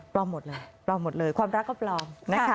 ปลอมหมดเลยความรักก็ปลอม